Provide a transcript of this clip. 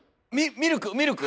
ミミルク？